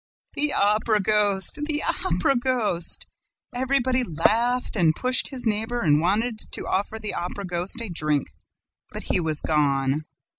"The Opera ghost! The Opera ghost!" Everybody laughed and pushed his neighbor and wanted to offer the Opera ghost a drink, but he was gone.